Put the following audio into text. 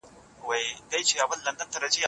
کلتور ژوندی وساتئ.